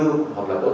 vi pháp pháp luật